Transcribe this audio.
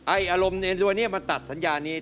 อารมณ์ตัวนี้มันตัดสัญญานี้